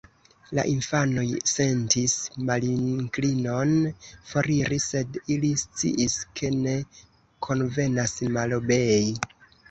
La infanoj sentis malinklinon foriri, sed ili sciis, ke ne konvenas malobei.